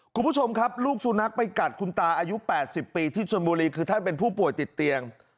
คุณผู้ชมครับลูกสุนัขไปกัดคุณตาอายุ๘๐ปีที่ชนบุรีคือท่านเป็นผู้ป่วยติดเตียง